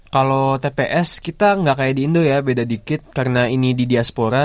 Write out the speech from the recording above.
kalau tps kita nggak kayak di indo ya beda dikit karena ini di diaspora